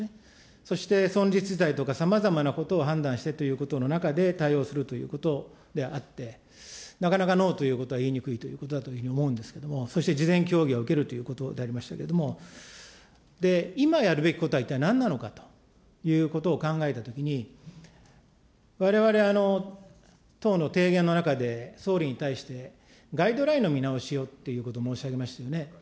そしてとか、さまざまなことを判断してということの中で、対応するということであって、なかなか、ノーということは言いにくいということだというふうに思うんですけれども、そして事前協議は受けるということでありましたけれども、今やるべきことは一体なんなのかということを考えたときに、われわれ、党の提言の中で、総理に対してガイドラインの見直しをということを申し上げましたよね。